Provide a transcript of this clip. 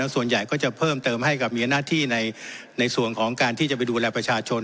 ส่วนใหญ่ก็จะเพิ่มเติมให้กับมีหน้าที่ในส่วนของการที่จะไปดูแลประชาชน